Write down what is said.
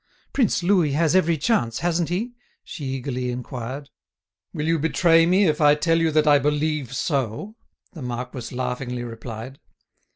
"Prince Louis has every chance, hasn't he?" she eagerly inquired. "Will you betray me if I tell you that I believe so?" the marquis laughingly replied.